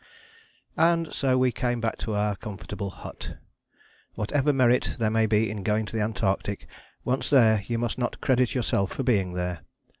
And so we came back to our comfortable hut. Whatever merit there may be in going to the Antarctic, once there you must not credit yourself for being there.